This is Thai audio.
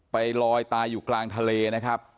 ไปลอยตายอยู่กลางทะเลนะครับ